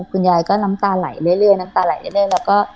คุณยายก็น้ำตาไหลเรื่อยน้ำตาไหลเรื่อยแล้วก็